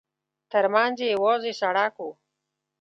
ترمنځ یې یوازې سړک و.